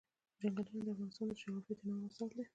چنګلونه د افغانستان د جغرافیوي تنوع مثال دی.